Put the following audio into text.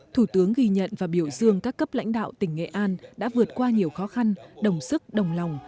thủ tướng ghi nhận và biểu dương các cấp lãnh đạo tỉnh nghệ an đã vượt qua nhiều khó khăn đồng sức đồng lòng